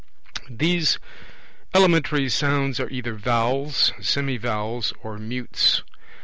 These elementary sounds are either vowels, semivowels, or mutes.